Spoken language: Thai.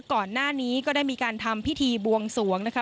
ก่อนหน้านี้ก็ได้มีการทำพิธีบวงสวงนะคะ